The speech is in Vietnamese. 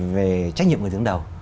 về trách nhiệm người dưỡng đầu